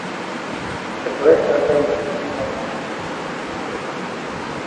The correct answer in the second part of the sentence is "check".